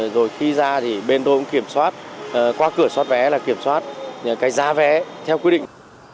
rồi khi ra thì bên tôi cũng kiểm soát qua cửa xót vé là kiểm soát cái giá vé theo quy định